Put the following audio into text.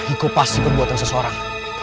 aku pasti perbuatan seseorang